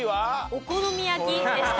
お好み焼きでした。